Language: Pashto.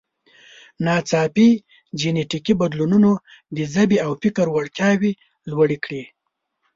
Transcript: ناڅاپي جینټیکي بدلونونو د ژبې او فکر وړتیاوې لوړې کړې.